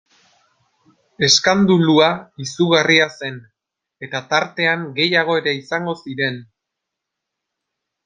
Eskandalua izugarria zen eta tartean gehiago ere izango ziren...